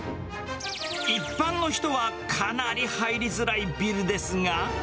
一般の人はかなり入りづらいビルですが。